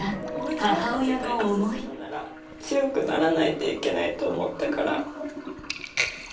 「強くならないといけないと思ったから」。